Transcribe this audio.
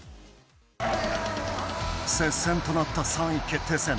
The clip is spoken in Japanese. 接戦となった３位決定戦。